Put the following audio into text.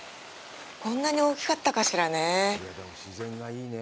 こんなに大きかったかしらねぇ。